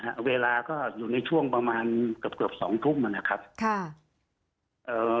ฮะเวลาก็อยู่ในช่วงประมาณเกือบเกือบสองทุ่มอ่ะนะครับค่ะเอ่อ